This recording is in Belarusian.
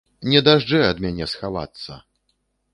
Не дажджэ ад мяне схавацца!